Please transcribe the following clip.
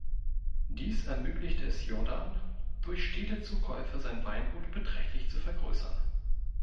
Dies ermöglichte es Jordan, durch stete Zukäufe sein Weingut beträchtlich zu vergrößern.